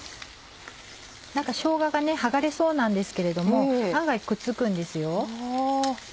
しょうがが剥がれそうなんですけれども案外くっつくんですよ。